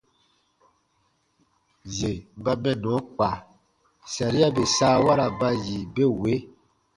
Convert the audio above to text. Yè ba mɛnnɔ kpa, saria bè saawara ba yi be wee: